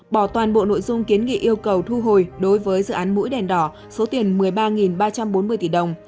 bỏ toàn bộ nội dung kiến nghị yêu cầu thu hồi đối với dự án mũi đèn đỏ số tiền một mươi ba ba trăm bốn mươi tỷ đồng